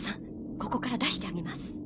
ここから出してあげます。